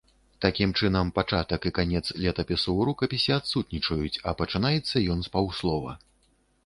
Такім чынам, пачатак і канец летапісу ў рукапісе адсутнічаюць, а пачынаецца ён з паўслова.